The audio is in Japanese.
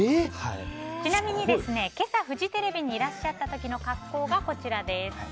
ちなみに今朝フジテレビにいらっしゃった時の格好が、こちらです。